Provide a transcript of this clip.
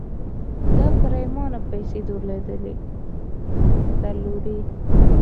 ده پرېمانه پيسې درلودې.